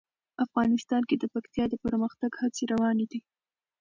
افغانستان کې د پکتیا د پرمختګ هڅې روانې دي.